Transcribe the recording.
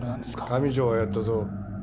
上條はやったぞ。